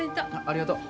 ありがとう。